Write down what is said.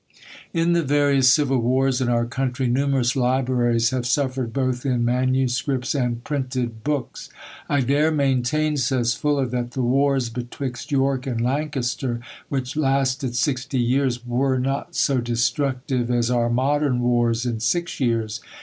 In the various civil wars in our country, numerous libraries have suffered both in MSS. and printed books. "I dare maintain," says Fuller, "that the wars betwixt York and Lancaster, which lasted sixty years, were not so destructive as our modern wars in six years."